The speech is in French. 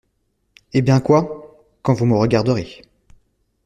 Eh ben, quoi ? quand vous me regarderez !…